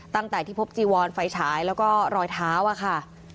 ตั้งแต่ที่พบจีวอนไฟฉายแล้วก็รอยเท้าอะค่ะ